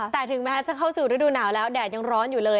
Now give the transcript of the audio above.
แต่ถึงแม้จะเข้าสู่ฤดูหนาวแล้วแดดยังร้อนอยู่เลย